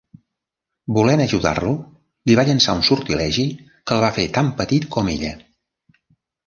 Volent ajudar-lo, li va llançar un sortilegi que el va fer tan petit com ella.